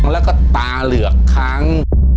แล้วก็ตาเหลือกค้าง